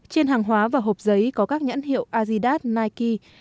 trên hàng hóa và hộp giấy có các nhãn hiệu azidat nike